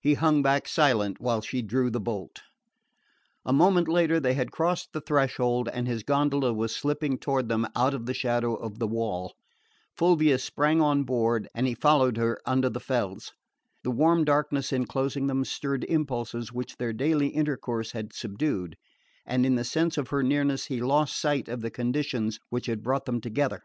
He hung back silent while she drew the bolt. A moment later they had crossed the threshold and his gondola was slipping toward them out of the shadow of the wall. Fulvia sprang on board and he followed her under the felze. The warm darkness enclosing them stirred impulses which their daily intercourse had subdued, and in the sense of her nearness he lost sight of the conditions which had brought them together.